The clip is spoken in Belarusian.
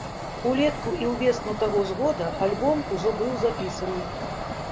Улетку і ўвесну таго ж года альбом ужо быў запісаны.